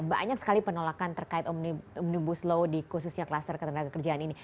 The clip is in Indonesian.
banyak sekali penolakan terkait omnibus law di khususnya kluster ketenagakerjaan ini